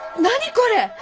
これ！